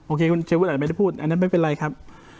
โคคุณเชวุอาจไม่ได้พูดอันนั้นไม่เป็นไรครับ